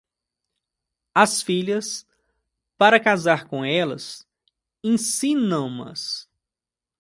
As filhas, para casar com elas, ensinam-nas.